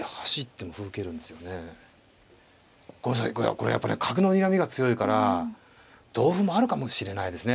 これやっぱり角のにらみが強いから同歩もあるかもしれないですね。